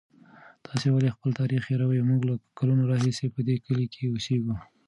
تاسې ولې خپل تاریخ هېروئ؟ موږ له کلونو راهیسې په دې کلي کې اوسېږو.